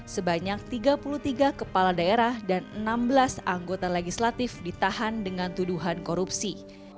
sebanyak tiga puluh tiga kepala daerah dan enam belas anggota legislatif ditahan dengan tuduhan korupsi